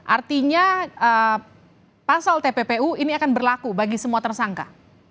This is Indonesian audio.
artinya pasal tppu ini akan berlaku bagi semua tersangka